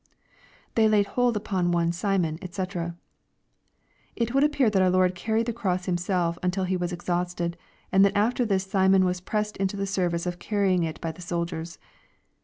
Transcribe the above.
[^They lay hold upon one Shnon^ &c'\ It would appear that our Lord carried the cross Himself until He was exhausted, and that after this Simon was pressed into the service of carrying it by the soldiers.